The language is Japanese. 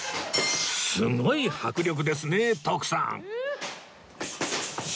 すごい迫力ですね徳さん